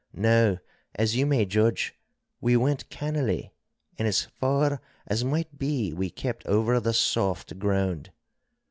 Now, as you may judge, we went cannily, and as far as might be we kept over the soft ground.